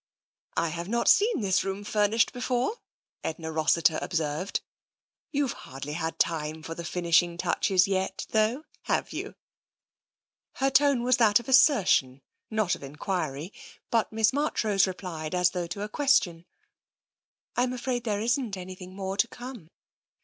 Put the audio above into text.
" Fve not seen this room furnished before," Edna Rossiter observed. " You've hardly had time for the finishing touches yet, though, have you ?" Her tone was that of assertion, not of enquiry, but Miss Marchrose replied as though to a question. " I'm afraid there isn't anything more to come.